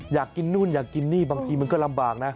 อยากกินนู่นอยากกินนี่บางทีมันก็ลำบากนะ